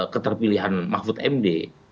keterpilihan mahfud md